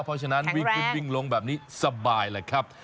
เพราะฉะนั้นวิ่งขึ้นวิ่งลงแบบนี้สบายแหละครับ